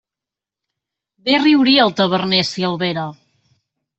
Bé riuria el taverner si el vera!